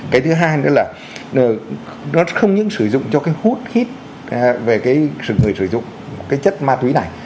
cái thứ hai nữa là nó không những sử dụng cho cái hút khít về cái người sử dụng cái chất ma túy này